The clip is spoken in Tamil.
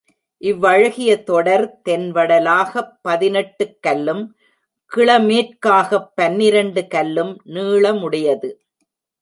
இவ்வழகிய தொடர், தென்வடலாகப் பதினெட்டுக் கல்லும், கிழ மேற்காகப் பன்னிரண்டு கல்லும் நீளமுடையது.